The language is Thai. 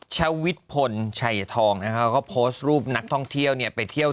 ชวิตพลชัยทองนะคะก็โพสต์รูปนักท่องเที่ยวเนี่ยไปเที่ยว